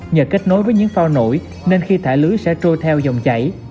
nhờ kết nối với những phao nổi nên khi thả lưới sẽ trôi theo dòng chảy